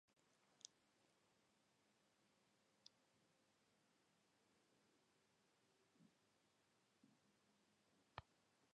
Ekonomia-jarduera nagusiak ere han daude.